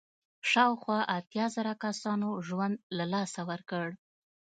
شاوخوا اتیا زره کسانو ژوند له لاسه ورکړ.